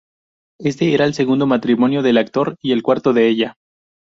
Este era el segundo matrimonio del actor, y el cuarto de ella.